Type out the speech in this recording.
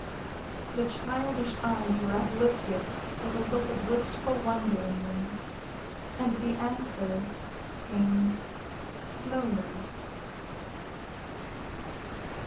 The childish eyes were uplifted with a look of wistful wonder in them, and the answer came slowly.